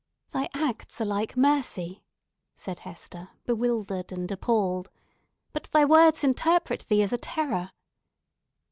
"Thy acts are like mercy," said Hester, bewildered and appalled; "but thy words interpret thee as a terror!"